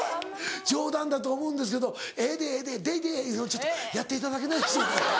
・冗談だと思うんですけど「ええでええでデイデイ！をやっていただけないでしょうか」。